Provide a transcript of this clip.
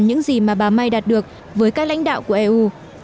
những gì mà bà may đạt được với các lãnh đạo của eu